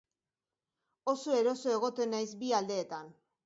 Oso eroso egoten naiz bi aldeetan.